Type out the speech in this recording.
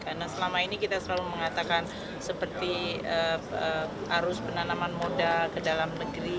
karena selama ini kita selalu mengatakan seperti arus penanaman moda ke dalam negeri